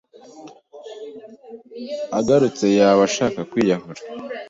agarutse yaba ashaka kwiyahura